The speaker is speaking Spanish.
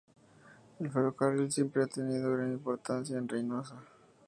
El ferrocarril siempre ha tenido gran importancia en Reinosa.